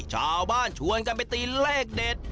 ชาวบ้านชวนกันไปตีเลขเด็ด